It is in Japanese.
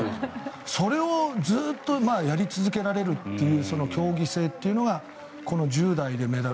それをずっとやり続けられるという競技性が１０代でメダル。